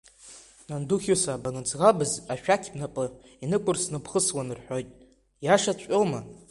Нанду Хьыса, баныӡӷабыз ашәақь бнапы инықәырсны бхысуан рҳәоит, ииашаҵәҟьоума?